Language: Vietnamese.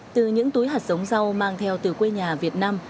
từ những túi hạt giống rau mang theo từ quê nhà việt nam